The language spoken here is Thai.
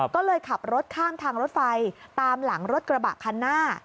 ก็เลยขับรถข้ามทางรถไฟตามหลังรถกระบะคันหน้า